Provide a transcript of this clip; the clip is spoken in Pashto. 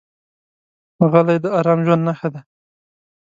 غلی، د ارام ژوند نښه ده.